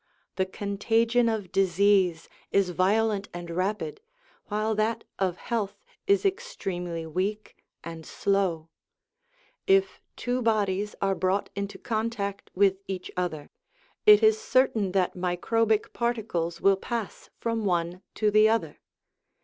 The contagion of disease is violent and rapid, while that of health is extremely weak and slow. If two bodies are brought into contact with each other, it is certain that microbic particles will pass from one to the other.